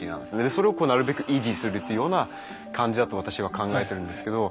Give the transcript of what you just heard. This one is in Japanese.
それをなるべく維持するというような感じだと私は考えてるんですけど。